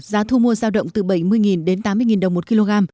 giá thu mua giao động từ bảy mươi đến tám mươi đồng một kg